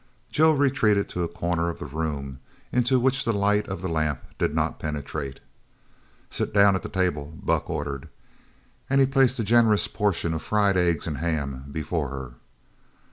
Joe retreated to a corner of the room into which the light of the lamp did not penetrate. "Sit down at that table!" ordered Buck, and he placed a generous portion of fried eggs and ham before her.